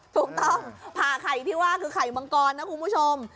ถูกต้องผ่าไข่ที่ว่าคือไข่มังกรนะคุณผู้ชม